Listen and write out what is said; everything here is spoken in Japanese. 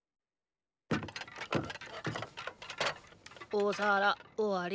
お皿おわり。